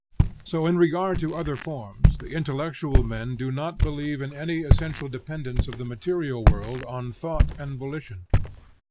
So in regard to other forms, the intellectual men do not believe in any essential dependence of the material world on thought and volition.